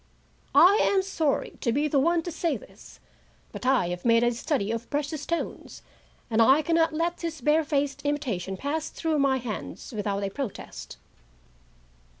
I am sorry to be the one to say this, but I have made a study of precious stones, and I can not let this bare faced imitation pass through my hands without a protest.